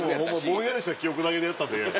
ぼんやりした記憶だけでやったんで。